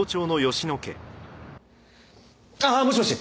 ああもしもし